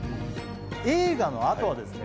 映画のあとはですね